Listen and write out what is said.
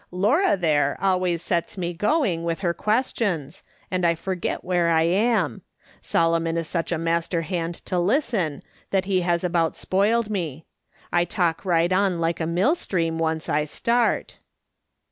" Laura, there, always sets me going with her ques tions, and I forgit where I am. Solomon is such a master hand to listen, that he has about spoiled me. I talk right on like a mill stream, once I start."